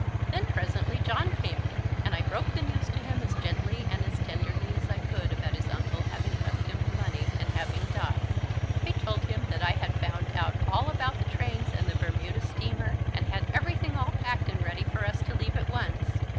Then presently John came in, and I broke the news to him as gently and as tenderly as I could about his uncle having left him the money and having died. I told him that I had found out all about the trains and the Bermuda steamer, and had everything all packed and ready for us to leave at once.